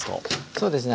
そうですね。